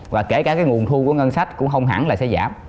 và kể cả cái nguồn thu của ngân sách cũng không hẳn là sẽ giảm